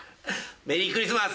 メリークリスマス！